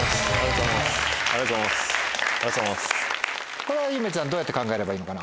これはゆめちゃんどうやって考えればいいのかな？